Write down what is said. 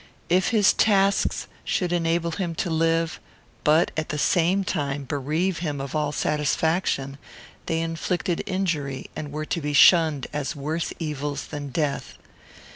If his tasks should enable him to live, but, at the same time, bereave him of all satisfaction, they inflicted injury, and were to be shunned as worse evils than death.